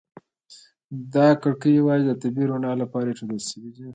دا کړکۍ یوازې د طبیعي رڼا لپاره ایښودل شوي دي.